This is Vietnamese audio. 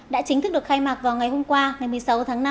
đã chính thức được khai mạc vào ngày hôm qua ngày một mươi sáu tháng năm